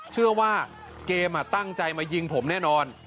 เชื่อว่าเกมตั้งใจมายิงผมแน่นอน